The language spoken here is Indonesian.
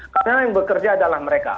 karena yang bekerja adalah mereka